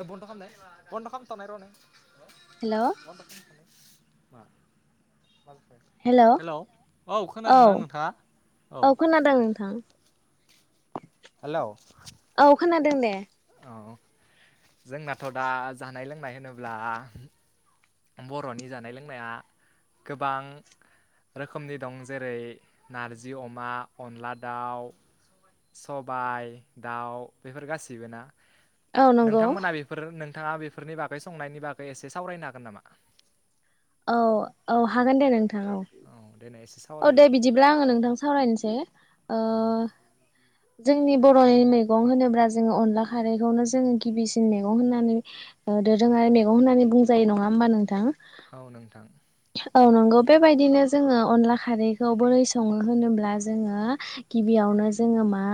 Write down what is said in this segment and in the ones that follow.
ओ बन्द'खामनाय बन्द'खामथ'नाय र'नाय हेलौ र' होमबा दोनथ'लाइ मा हेलौ औ खोनादोंना नोंथाङा औ खोनादों नोंथां हेलौ औ खोनादों दे अह जोंनाथ' दा जानाय लोंनाय होनोब्ला बर'नि जानाय लोंनाया गोबां रोखोमनि दं जेरै नारजि अमा अनला दाउ सबाय दाउ बेफोर गासैबो ना औ नंगौ नोंथांमोना बेफोर नों नोंथाङा बेफोरनि बागै संनायनि बागै एसे सावरायनो हागोन नामा औ औ हागोन दे नों नोंथां औ देनाय एसे औ दे सावरायलाय बिदिब्ला आङो नोंथां सावरायनोसै औ जोंनि बर'नि मैगं होनोब्ला जोङो अनला खारैखौनो जोङो गिबिसिन मैगं होननानै दोरोङारि मैगं होननानै बुंजायो नङा होमबा नोंथां औ नोंथां औ नंगौ बेबायदिनो जोङो अनला खारैखौ बोरै सङो होनोब्ला जोङो गिबियावनो जोङो मा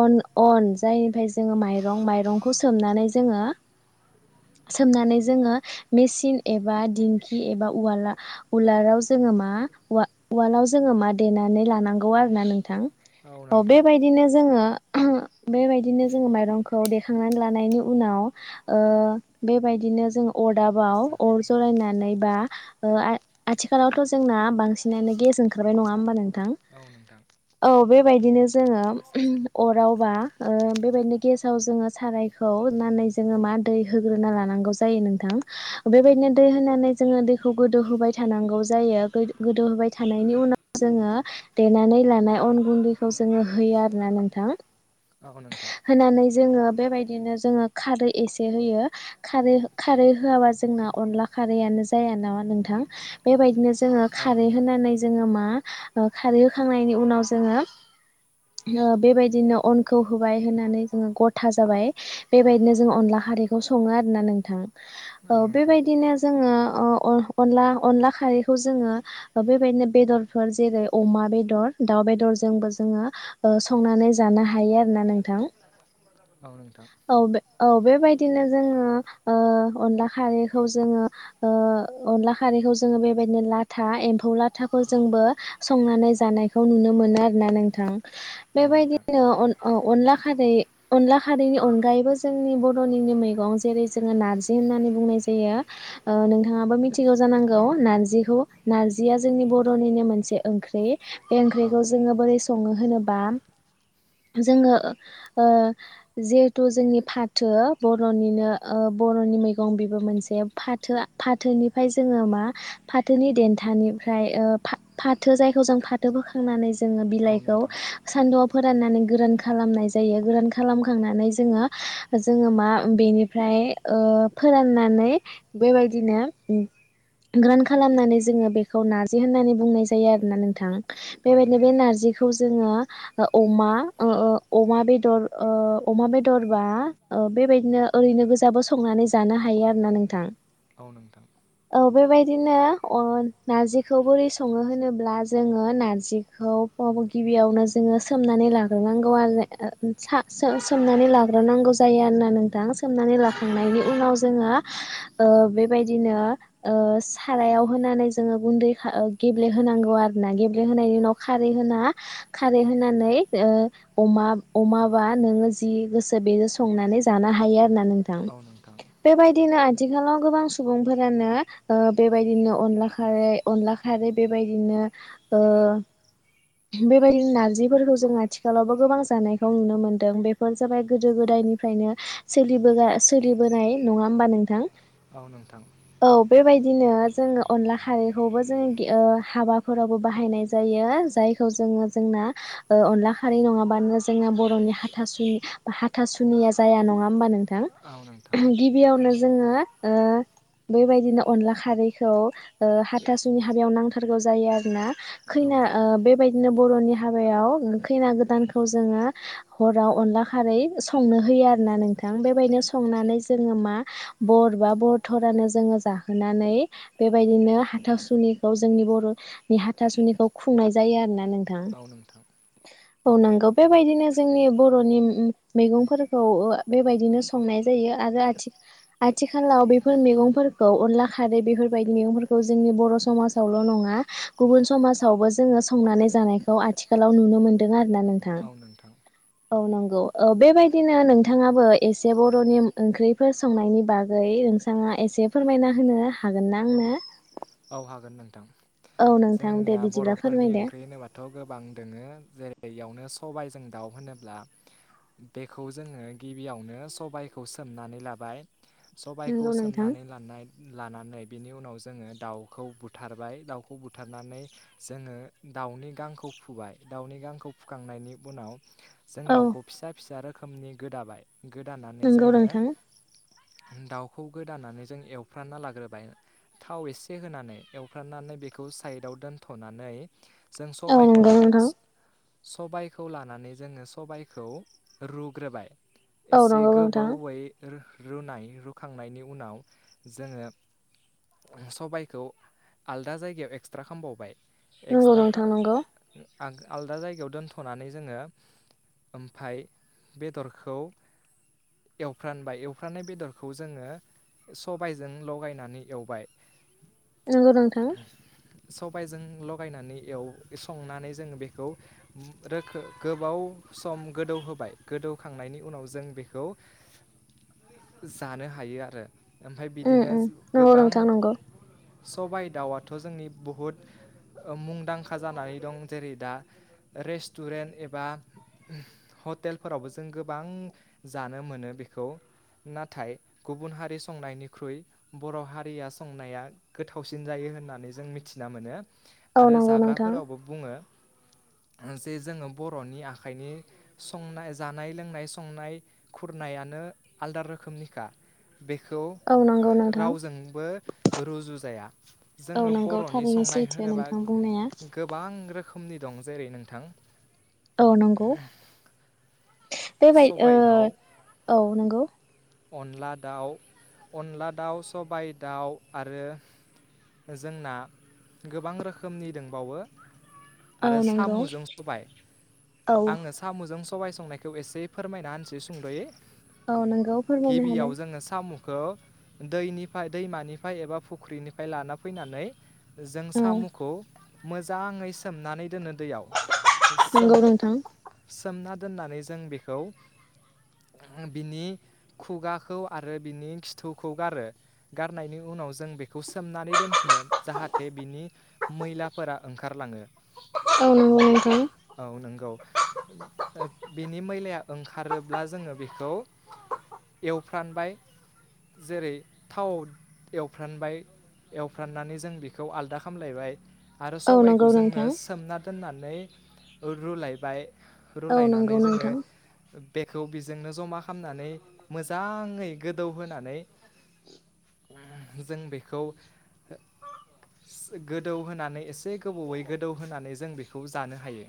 अन अन जायनिफ्राय जोङो माइरं माइरंखौ सोमनानै जोङो सोमनानै जोङो मेसिन एबा दिंखि एबा उवाल उलालाव जोङो मा उवालाव जोङो मा देनानै लानांगौ आरो ना नोंथां औ बेबायदिनो जोङो बेबायदिनो जोङो माइरंखौ देखांनानै लानायनि उनाव बेबायदिनो जों गोसा अदाबाव होन सावरायनानै बा आथिखालावथ' जोंना बांसिनानो गेस ओंखारबाय नङा होमबा नों नोंथां औ नोंथां औ बेबायदिनो जोङो अरावबा बेबायदिनो गेसाव जोङो सारायखौ होननानै जोङो मा दै होग्रोना लानांगौ जायो नोंथां बेबायदिनो दै होनानै जोङो दैखौ गोदौहोबाय थानांगौ जायो गोदौ होबाय थानायनि उनाव जोङो देनानै देनानै लानाय अन गुन्दैखौ होयो आरोना नोंथां औ नोंथां होनानै जोंयो बेबादिनो जोंङो खारै एसे होयो खारै खारै होआबा जों जोंना अनला खारैआानो जाया नामा नोंथां बेबायदिनो जोङो औ खारै नोंथां होनानै जोङो मा खारै होखांनायनि उनाव जोङो बेबायदिनो अनखौ होबाय होनानै जोङो गथा जाबाय बेबायदिनो जोंङो अनला खारैखौ सङो आरोना नोंथां औ बेबायदिनो जोङो अनला अनला खारैखौ जोङो बेबायदिनो बेदरफोर जेरै अमा बेदर दाउ बेदरजोंबो जोङो संनानै जानो हा हायो आरोना नोंथां औ नोंथां औ बे औ बेबायदिनो जोङो अनला खारैखौ जोङो अनला खारैखौ जोङो बेबायदिनो लाथा एम्फौ लाथाखौ जोंबो संनानै जानायखौ नुनो मोनो आरोना नोंथां औ नोंथां बेबायदिनो अन औ अनला खारै अनला खारैनि अनगायैबो जोंनि बर'निनि मैगं जेरै जोङो नार्जि होननानै बुंनाय जायो नोंथाङाबो मिथिगौ जानांगौ नारजिखौ नारजिया जोंनि बर'निनो मोनसे ओंख्रि बे औ ओंख्रिखौ जोङो बोरै संयो होनोबा जोङो ओ जिथु जोंनि फाथो बर'नि ओ बर'नि मै मैगं बेबो मोनसे फाथोआ फाथोनिफाय जोंड़ोमा फाथोनि जेंनानिफ्राय फाथो जायखौ जों फाथो बोखांनानै जोङो औ बिलाइखौ नोंथां सान्दुंआव फोराननानै गोरान खालामनाय जायो गोरान खालामखांनानै जोङो जोङो मा बेनिफ्राय ओ फोराननानै बेबायदिनो ग्रान खालामनानै जोङो बेखौ नारजि होननानै बुंनाय जायो आरोना नोंथां औ बेबायदिनो बे नोंथां नारजिखौ जोङो अमा ओ अमा बेदरबा बेबायदिनो ओरैनो गोजाबो संनानै ज जानो हायो आरो ना नोंथां औ नोंथां औ बेबायदिनो ओ नारजिखौ बोरै सङो होनोब्ला जोङो नार्जिखौ गिबियावनो जोङो सोमनानै लाग्रोनांगौ आरो सोमनानै लाग्रोनांगौ जायो होना नोंथां सोमनानै औ नोंथां लाखांनायनि जोङो ओ बेबायदिनो ओ सारायाव होनानै जोङो गुन्दै गेब्ले होनांगौ आरो ना खारै होनानै ओ अमा बा नोङो जि गोसो बे संनानै जानो हायो आरो औ नोंथां बेबायदिनो आथिखालाव गोबां सुबुंफोरानो ओ बेबायदिनो अनला खारै अनला खारै बेबायदिनो ओ बेबायदिनो नारजिफोरखौ जों आथिखालावबो गोबां जानायखौ नुनो मोनदों बेफोर जाबाय गोदो गोदायनिफ्रायनो सोलि बोनाय नङा होमबा नोंथां औ नोंथां बिदिनो जोङो अनला खारैखौबो जोंङ हाबाफोरावबो बाहायनाय जायो जायखौ जोङो जोंना अनला खारै नङाबानो जोंना बर'नि हाथासुनि हाथासुनिया जाया नङा होनोमबा नों औ नोंथां गिबियावनो जोङो ओ बेबायदिनो अनला खारैखौ ओ हाथासुनि हाबायाव नांथारगौ जायो आरोना खैना ओ बेबायदिनो बर'नि हाबायाव खैना गोदानखौ जोङो हराव अनला खारै संनो होायो आरोना नोंथां बेबायदिनो संनानै जोङो मा बर बा बरथरानो जोङो जाहोनानै बेबायदिनो हाथाव सुनिखौ जोंनि बर' हाथासुनिखौ खुंनाय जायो आरो ना नोंथाङा औ नोंथां औ नांगौ बेबायदिनो जोंनि बर'नि मैगंफोरखौ बेबायदिनो संनाय जायो आरो आ आथिखालाव बेफोर मैगंफोरखौ अनला खारै बेफोरबायदि मैगंफोरखौ जोंनि बर' समाजावल' नङा गुबुन समाजावबो जोङो संनानै जानायखौ आथिखालाव नुनो मोनदों आरो ना नोंथां औ नोंथां औ नंगौ औ बेबायदिनो नोंथाङाबो एसे बर'नि ओंख्रिफोर संनायनि बागै नोंसाङा एसे फोरमायना होनो हागोन ना आंनो औ हागोन नोंथां औ नोंथां दे जोंनिया बिदिब्ला बर'फोरनि फोरमायदो ओंख्रि होनोबाथ' गोबां दोङो जेरै बेयावनो सबायजों दाउ होनोब्ला बेखौ जोङो गिबियावनो सबायखौ सोमनानै लाबाय सबायखौ नंगौ नोंथां सोमनानै लानानै बिनि उनाव जोङो दाउखौ बुथारबाय दाउखौ बुथारनानै जोङो दाउनि गांखौ फुबाय दाउनि गांखौ फुखांनायनि उनाव जों औ दाउखौ फिसा फिसा रोखा रोखोमनि गोदाबाय गोदानानै नंगौ जोङो नोंथां दाउखौ गोदानानै जों एवफ्रानना लाग्रोबाय थाव एसे ए होनानै एवफ्रनानै बेखौ साइदाव दोनथ'नानै जों औ सबायखौ नंगौ लाबाय नोंथां सबायखौ लानानै जोङो सबायखौ रुग्रोबाय औ एसे नंगौ नोंथां गोबावै र रुनाय रुखांनायनि उनाव जोङो सबाय खौ आलदा जायगायाव एक्सट्रा खामबावबाय। नंगौ नोंथां नंगौ। आल-आलादा जायगायाव दोनथ'नानै जोङो ओमफाय बेदरखौ एवफ्रानबाय एवफ्राननाय बेदरखौ जोङो सबायजों लगायनानै एवबाय। नंगौ नोंथां। सबायजों लगायनानै एव संनानै जोङो बेखौ उ रोखो गोबाव सम गोदौ होबाय गोदौखांनायनि उनाव जों बेखौ जानो हायो आरो। ओमफाय उम बिदिनो उम ज नंगौ गोबां नोंथां नंगौ सबाइ दाउआथ' जोंनि बहुद मुंदांखा जानानै दं। जेरै दा रेस्टुरेन्ट एबा हटेलफोरावबो जों गोबां जानो मोनो बेखौ। नाथाय गुबुन हारि संनायनिख्रुइ बर' हारिया संनाया गोथावसिन जायो होननानै जों मिथिना मोनो। औ आरो नंगौ नोंथां जाग्राफोरावबो बुङो। जे जोङो बर'नि आखाइनि संनाय जानाय लोंनाय संनाय खुरनायानो आलदा रोखोमनिखा। बेखौ औ नंगौ नोंथां रावजोंबो रुजु जाया। औ जोङो नंगौ बर'नि थारैनो संनाय सैथो होनोबा नोंथां बुंनाया गोबां रोखो खोमनि दं जेरै नोंथां औ नंगौ। बेबाय ओ सबाइ दाउ औ नंगौ। अनला दाउ अनला दाउ सबायाइ दाउ आरो जोंना गोबां रोखोमनि दोंबावो। औ आरो नंगौ साम'जों सबाय। औ आङो साम'जों स सबाय संनायख खौ एसे फोरमायना होनसै सुंद'यै औ नोंगौ फोरमायना होलाय। खौ दैनिफाय दैमानिफाय एबा फुख्रिनिफाय लाना फैनानै जों औ साम'खौ मोजाङै सोमनानै दोननो दैआव नंगौ नोंथां सोम-सोमना दोननानै ज जों बेखौ उहुम बिनि खुगाखौ आरो बिनि खिथुखौ गारो गारनायनि उनाव जों बेखौ सोमनानै दोनफिनो जाहाथे बिनि मैलाफोरा ओंखारलाङो। औ नंगौ नोंथां। औ [unintelligible] बिनि मैलाया ओंखारोब्ला जोङो बेखौ एवफ्रानबाय जेरै थावआव एवफ्रानबाय एवफ्राननानै जों बेखौ आलदा खालाम लायबाय। आरो औ नंगौ सबाइखौ जोङो नोंथां सोमना दोननानै रुलायबाय औ रुलायनानै नंगौ जोङो नोंथां बेखौ बेजोंनो जमा खालामनानै मोजाङै गोदौहोनै जों बेखौ होग सो गोदौहोनानै एसे गोबावै गोदौ होनोनानै जों बेखौ जानो हायो।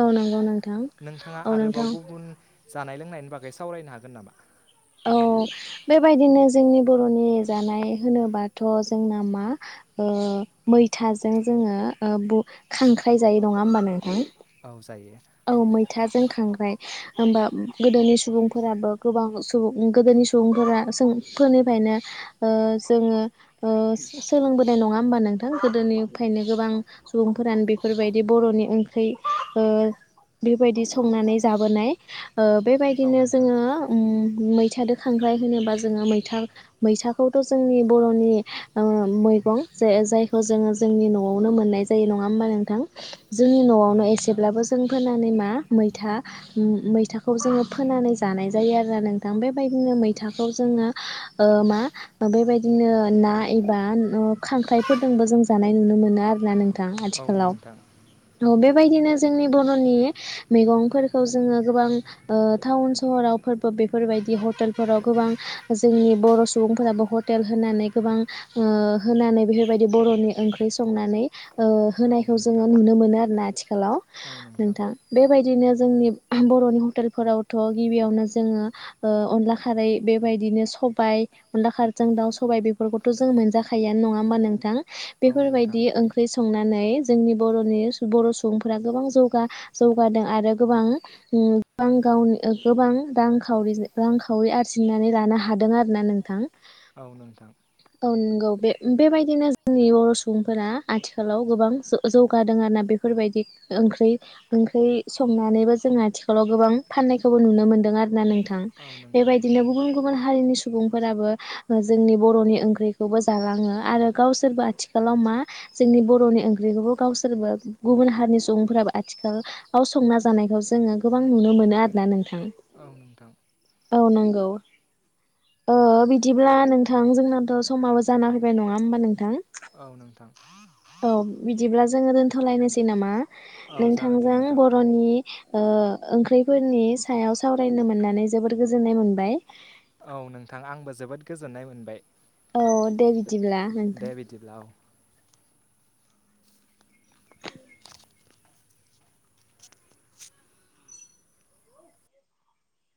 औ नंगौ नोंथां औ नों बाव गुबुन जानाय लोंनाय नि बागै सावरायनो हागोन नामा? औ बेबायदिनो जोंनि बर'नि जानाय होनोबाथ' जोंना मा ओ मैथाजों जोङो ब खांख्राइ जायै नङा होमबा नोंथां। औ जा जायो। थाजों खांग्राय होमबा गोदोनि सुबुंफोराबो गोबां सुबुं गोदोनि सुबुंफोरा सों फोरनिफ्रायनो ओ जोङो ओ सोलोंबोनाय नङा होमबा नोंथां गोदोनिफ्रायनो गोबां सुबुंफोरानो बेफोरबायदि बर'नि ओंख्रि ओ बेबायदि संनानै जाबोनाय ओ औ बेबायदिनो नोंथां जोङो उम मैथादो खांख्राय होनोबा जोङो मैथा मैथाखौथ' जोंनि बर'नि ओ मैगं जायखौ जोङो जोंनि न'आवनो मोननाय जायो नङा होमबा नोंथां। जोंनि औ न'आवनो नोंथां एसेब्लाबो जों नानै मा मैथा मैथाखौ जोङो फोनानै जानाय जायो आरोना नोंथां बे बायदिनो मैथाखौ जोङो ओ मा बेबायदिनो ना एबा खांख्राइफोरजोंबो जों जानाय नुनो मोनो। जा [unintelligible] आरोना नों थां औ आथिखालाव नोंथां बे बायदिनो जोंनि। बर'नि मैगंफोरखौ जोङो गोबां ओ टाउन सहराव फोरबो बेफोरबायदि हटेलफोराव गोबां जोंनि बर' सुबुंफोराबो हटेल होनानै गोबां ओ होनानै बेफोरबायदि बर'नि ओंख्रि संनानै ओ औ होनायखौ जोङो नोंथां नुनो मोनो आरो ना आथिखालाव नोंथां बेबायदिनो जोंनि बर'नि हटेलफोरावथ' गिबियावनो जोङो अनला खारै बेबायदिनो सबाय अनला खारजों दाउ सबाय बेफोरखौथ' जों मोनजाखायोआनो नङा होमबा नोंथां। औ नोंथां बेफोरबायदि ओंख्रि संनानै जोंनि बर'नि बर' सुबुं फोरा गोबां जौगा जौगादों आरो गोबां गोबां गाव गोबां रां रांखावरि रांखावरि रजिननानै लानो हादों आरो ना नोंथां। औ नोंथां। औ नंगौ बे बेबायदिनो जोंनि बर' सुबुंफोरा आथिखालाव गोबां जौगादों आरोना बेफोरबायदि ओंख्रि ओंख्रि संनानैबो जोंङो आथिखालाव गोबां फाननायखौबो नुनो मोनदों आरो ना नों थां औ बे नोंथां बादिनो गुबुन गुबुन हारिनि सु सुबुंफोराबो जोंनि बर'नि ओंख्रिखौबो जालाङो आरो। गावसोरबा आथिखालाव मा जोंनि बर'नि ओंख्रिखौबो [unintelligible] गावसोरबो गुबुन हारिनि सु बुंफोराबो आथिखालाव संना जानायखौ जोङो गोबां नुनो मोनो आरोना नोंथां औ नोंथां औ नांगौ ओ बिदिब्ला नोंथां जोंना थ समाबो जाना फैबाय नङा होमबा नोंथां औ नोंथां औ बिदिब्ला जोङो दोनथ'लायनोसै नामा औ जागोन दे नोंथांजों नोंथां बर'नि ओंख्रिफोरनि सायाव सावरायनो मोननानै जोबोद गोजोननाय मोनबाय। औ नोंथां आंबो जोबोद गोजोननाय मोनबाय औ दे। बिदिब्ला होनथ दे बिदिब्ला औ